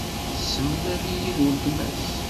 Tessemlal-iyi d uletma-s.